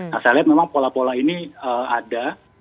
nah saya lihat memang pola pola ini ada